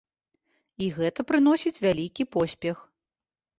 І гэта прыносіць вялікі поспех.